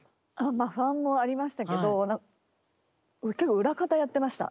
まあ不安もありましたけど結構裏方やってました。